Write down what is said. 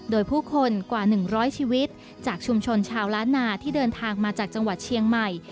โดยผู้คนกว่า๑๐๐ชีวิตจากชุมชนชาวล้านนาที่เดินทางมาจากจังหวัดเชียงใหม่